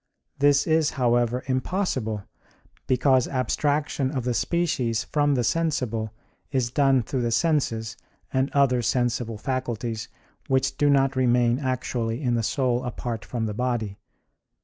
This is, however, impossible because abstraction of the species from the sensible is done through the senses and other sensible faculties which do not remain actually in the soul apart from the body.